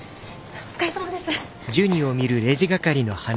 お疲れさまです。